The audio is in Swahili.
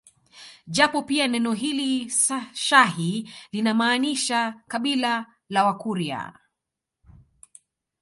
Japo pia neno hili shahi linamaanisha kabila la Wakurya